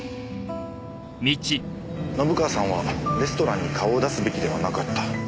信川さんはレストランに顔を出すべきではなかった。